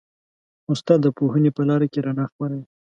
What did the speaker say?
استاد د پوهنې په لاره کې رڼا خپروي.